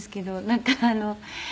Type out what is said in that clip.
なんか。